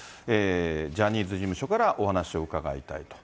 ジャニーズ事務所からお話を伺いたいと。